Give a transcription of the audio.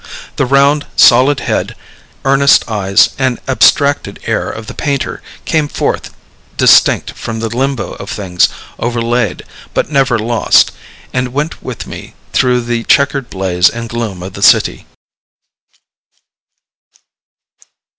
The round, solid head, earnest eyes, and abstracted air of the painter came forth distinct from the limbo of things overlaid but never lost, and went with me through the checkered blaze and gloom of the city.